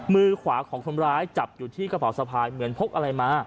มือขวาของคนร้ายจับอยู่ที่กระเป๋าสะพายเหมือนพกอะไรมา